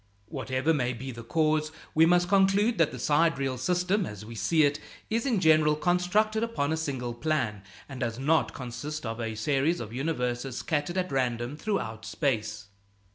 Whatever may be the cause, we must conclude that the sidereal system, as we see it, is in general constructed upon a single plan, and does not consist of a series of universes scattered at random throughout space.